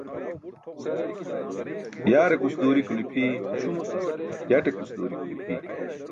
Yaarekus duuri kuli phiyu yatekus duuri kuli phiy